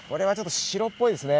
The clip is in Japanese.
白っぽいですね。